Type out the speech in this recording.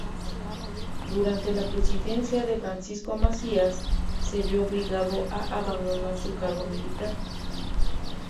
Durante la presidencia de Francisco Macías, se vio obligado a abandonar su cargo militar.